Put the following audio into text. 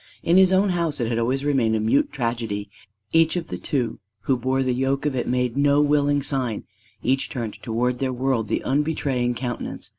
In his own house it had always remained a mute tragedy: each of the two who bore the yoke of it made no willing sign; each turned toward their world the unbetraying countenance.